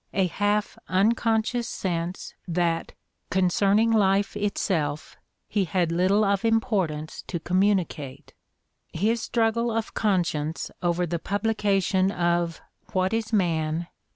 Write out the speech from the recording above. — a half unconscious sense that, concerning life itself, he had little of impor tance to communicate. His struggle of conscience over the publication of "What Is Man?"